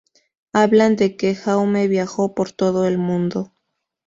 Hablan de que Jaume viajó por todo el mundo.